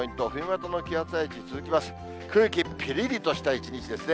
空気ぴりりとした一日ですね。